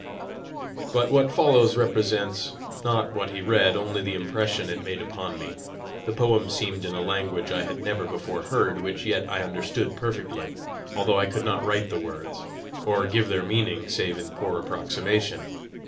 But what follows represents not what he read, only the impression it made upon me. The poem seemed in a language I had never before heard, which yet I understood perfectly, although I could not write the words, or give their meaning save in poor approximation.